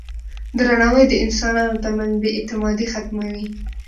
درناوی د انسانانو ترمنځ بې اعتمادي ختموي.